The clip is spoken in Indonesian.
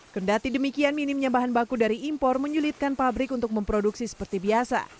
kendati demikian minimnya bahan baku dari impor menyulitkan pabrik untuk memproduksi seperti biasa